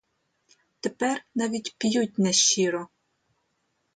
Тепер навіть п'ють нещиро.